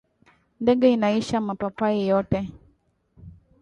Ndege inaisha mapapayi yote